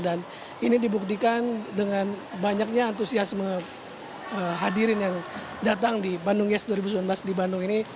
dan ini dibuktikan dengan banyaknya antusiasme hadirin yang datang di bandung yes dua ribu sembilan belas di bandung ini